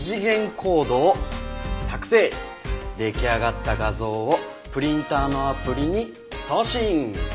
出来上がった画像をプリンターのアプリに送信！